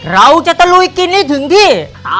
เราจะตะลุยกินให้ถึงที่